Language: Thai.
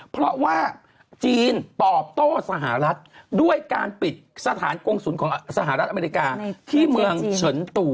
เพราะว่าจีนตอบโต้สหรัฐด้วยการปิดสถานกงศูนย์ของสหรัฐอเมริกาที่เมืองเฉินตู่